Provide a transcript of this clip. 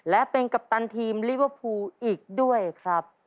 และเป็นกัปตันทีมลิเวอร์พูลอีกด้วยครับ